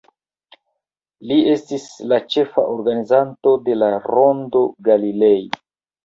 Li estis la ĉefa organizanto de la Rondo Galilei.